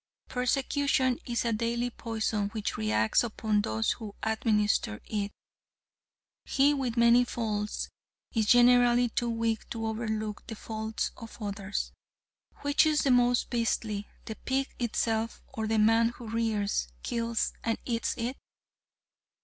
Persecution is a deadly poison which reacts upon those who administer it. He with many faults is generally too weak to overlook the faults of others. Which is the most beastly, the pig itself, or the man who rears, kills and eats it?